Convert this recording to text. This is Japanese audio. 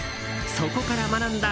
そこから学んだ